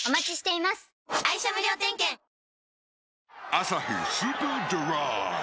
「アサヒスーパードライ」